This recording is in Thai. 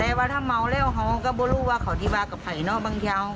แต่ว่าถ้าเมาแล้วเขาก็ไม่รู้ว่าเขาดีกว่ากับใครเนอะ